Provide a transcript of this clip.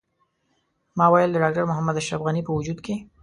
ما ویل د ډاکټر محمد اشرف غني په وجود کې.